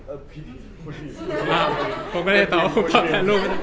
ว้าวก็ไม่ได้ต้องตัว